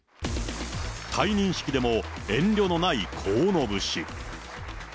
退任式でも遠慮のない河野節。